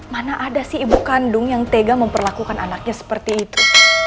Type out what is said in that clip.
mana ada sih ibu kandung yang tega memperlakukan anaknya seperti itu